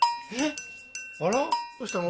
あらどうしたの？